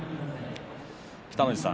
北の富士さん